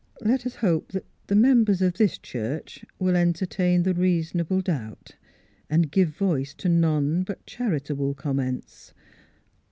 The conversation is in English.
" Let us hope that the members of this church will en tertain the reasonable doubt, and give voice to none but charitable comments.